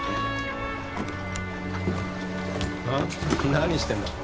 何してんだ？